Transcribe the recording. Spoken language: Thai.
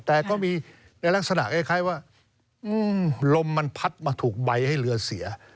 แต่ก็มีในลักษณะคล้ายว่าลมมันพัดมาถูกใบให้เรือเสีย